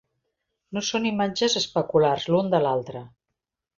No són imatges especulars l'un de l'altre.